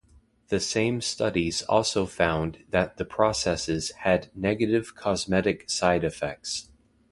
The same studies also found that the processes had negative cosmetic side effects.